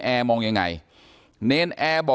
การแก้เคล็ดบางอย่างแค่นั้นเอง